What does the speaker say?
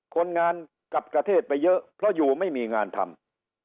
คนงานกลับประเทศไปเยอะเพราะอยู่ไม่มีงานทำ